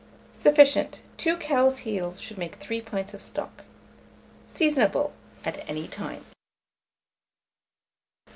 Sufficient. 2 cow heels should make 3 pints of stock. Seasonable at any time.